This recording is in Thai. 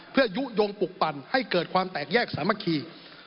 เพื่อยุโยงปลุกปั่นให้เกิดความแตกแยกสามัคคี